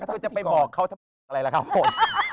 เธอจะไปบอกเขาจะอะไรละครับผม